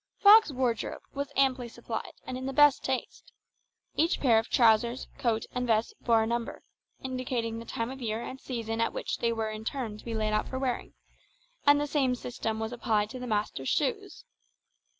Mr. Fogg's wardrobe was amply supplied and in the best taste. Each pair of trousers, coat, and vest bore a number, indicating the time of year and season at which they were in turn to be laid out for wearing; and the same system was applied to the master's shoes.